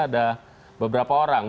ada beberapa orang